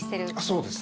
そうですね。